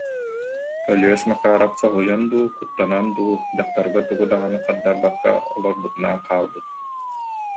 Өлүөс Макаарап соһуйан дуу, куттанан дуу дьахтарга тугу даҕаны хардарбакка олорбутунан хаалбыт